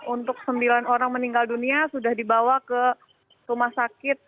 untuk sembilan orang meninggal dunia sudah dibawa ke rumah sakit